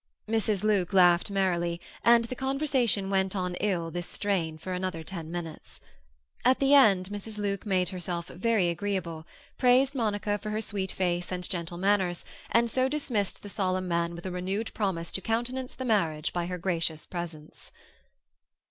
Mrs. Luke laughed merrily, and the conversation went on in this strain for another ten minutes. At the end, Mrs. Luke made herself very agreeable, praised Monica for her sweet face and gentle manners, and so dismissed the solemn man with a renewed promise to countenance the marriage by her gracious presence.